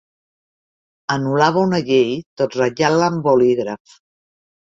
Anul·lava una llei, tot ratllant-la amb bolígraf.